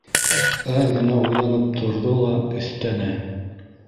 — Әҙ генә уйланып торҙо ла өҫтә не